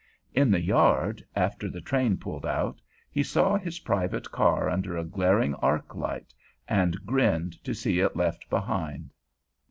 In the yard, after the train pulled out, he saw his private car under a glaring arc light, and grinned to see it left behind.